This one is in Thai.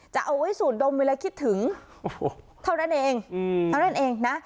จะเอาไว้สูดดมเวลาคิดถึงเท่านั้นเองเท่านั้นเองนะ